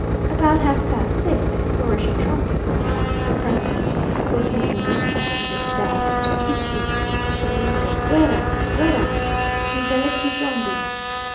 About half past six, a flourish of trumpets announced the president, who came in uniform with his staff, and took his seat to the music of "Guerra! Guerra! I bellici trombi."